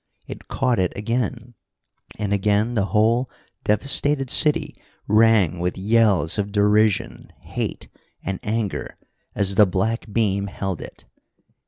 It caught it again and again the whole devastated city rang with yells of derision, hate, and anger as the black beam held it.